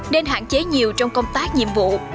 nên hạn chế nhiều trong công tác nhiệm vụ